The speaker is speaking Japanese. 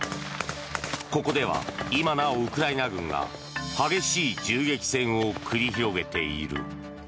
ここでは今なおウクライナ軍が激しい銃撃戦を繰り広げている。